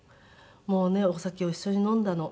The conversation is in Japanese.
「もうねお酒を一緒に飲んだの。